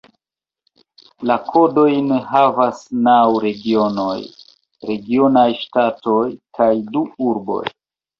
La kodojn havas naŭ regionoj (regionaj ŝtatoj) kaj du urboj.